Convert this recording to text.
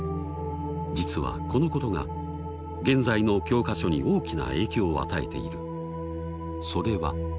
実はこのことが現在の教科書に大きな影響を与えている。